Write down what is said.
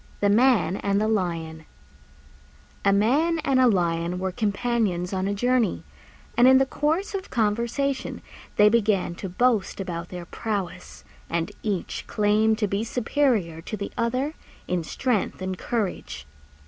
THE MAN AND THE LION A Man and a Lion were companions on a journey, and in the course of conversation they began to boast about their prowess, and each claimed to be superior to the other in strength and courage.